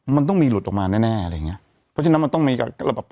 มันต้องมีหลุดออกมาแน่แน่อะไรอย่างเงี้ยเพราะฉะนั้นมันต้องมีระบบ